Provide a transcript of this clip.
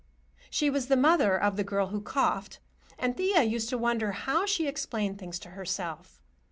She was the mother of the girl who coughed, and Thea used to wonder how she explained things to herself.